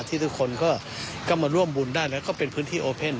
ที่ทุกคนก็มาร่วมบุญได้แล้วก็เป็นพื้นที่โอเพ่น